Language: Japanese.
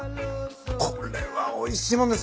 これはおいしい物ですね。